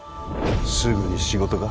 すぐに仕事か？